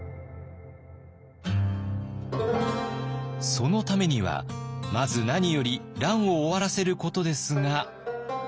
そのためにはまず何より乱を終わらせることですが。